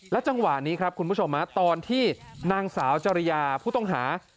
จังหวะนี้ครับคุณผู้ชมตอนที่นางสาวจริยาผู้ต้องหา